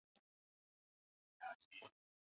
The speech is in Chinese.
感光性亦称光敏感度或光敏性时的作用量。